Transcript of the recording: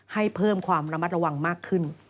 ให้เพิ่มความระมัดระวังมากขึ้น